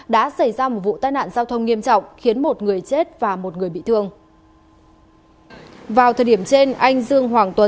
đã xảy ra một vụ tai nạn giao thông nghiêm trọng khiến một người chết và một người bị thương